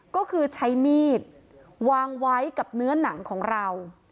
ก็คือใช้มีดวางไว้กับเนื้อหนังของเรา